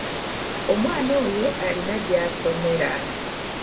Omwana oyo alina gy'asomera.